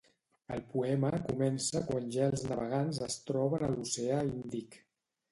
El poema comença quan ja els navegants es troben a l'oceà Índic.